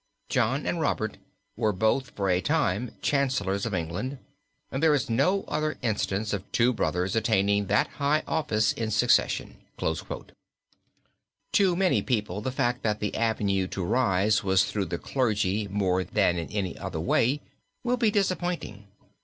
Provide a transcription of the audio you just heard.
John and Robert were both for a time Chancellors of England, and there is no other instance of two brothers attaining that high office in succession." To many people the fact that the avenue to rise was through the Clergy more than in any other way will be disappointing.